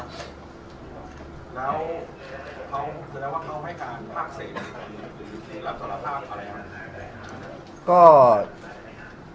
แล้วเขาคือแนวว่าเขาไม่กลางภาคเศษหรือที่รับสารภาพอะไรครับ